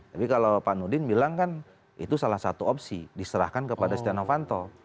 tapi kalau pak nudin bilang kan itu salah satu opsi diserahkan kepada setia novanto